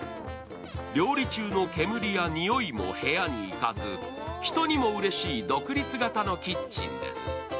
料理中の煙やにおいも部屋には行かず、人にもうれしい独立型のキッチンです。